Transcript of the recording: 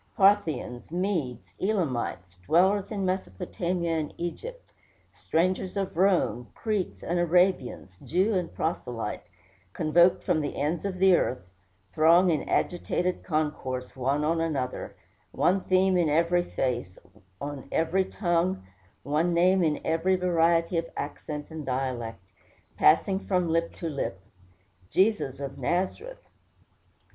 Parthians, Medes, Elamites, dwellers in Mesopotamia and Egypt, strangers of Rome, Cretes and Arabians, Jew and Proselyte, convoked from the ends of the earth, throng in agitated concourse one on another; one theme in every face, on every tongue, one name in every variety of accent and dialect passing from lip to lip "Jesus of Nazareth."